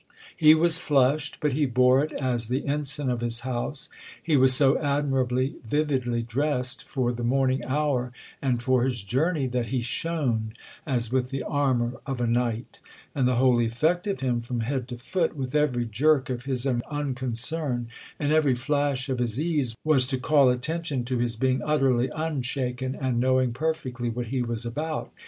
He was flushed, but he bore it as the ensign of his house; he was so admirably, vividly dressed, for the morning hour and for his journey, that he shone as with the armour of a knight; and the whole effect of him, from head to foot, with every jerk of his unconcern and every flash of his ease, was to call attention to his being utterly unshaken and knowing perfectly what he was about.